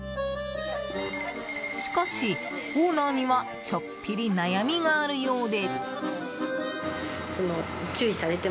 しかし、オーナーにはちょっぴり悩みがあるようで。